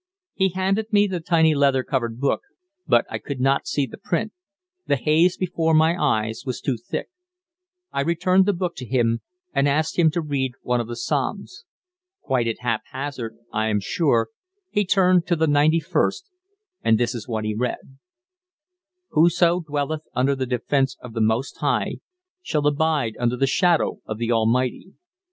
He handed me the tiny leather covered book, but I could not see the print; the haze before my eyes was too thick. I returned the book to him, and asked him to read one of the Psalms. Quite at haphazard, I am sure, he turned to the ninety first, and this is what he read: "Whoso dwelleth under the defence of the Most High; shall abide under the shadow of the Almighty.